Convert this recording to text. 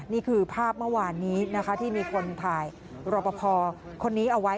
นี่คือภาพเมื่อวานนี้นะคะที่มีคนถ่ายรอปภคนนี้เอาไว้